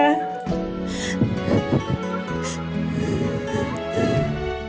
อืม